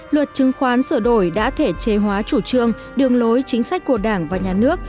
luật chứng khoán sửa đổi đã thể chế hóa chủ trương đường lối chính sách của đảng và nhà nước